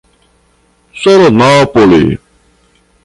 Solonópole